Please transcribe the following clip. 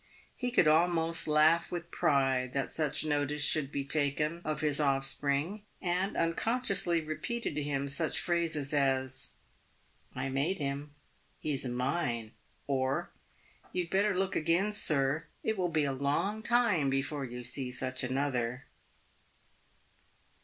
He could almost laugh with pride that such notice should be taken of his offspring, and unconsciously repeated to him such phrases as, " I made him — he's mine," or, " Tou had better look again, sir ; it will be a long time before you see such another."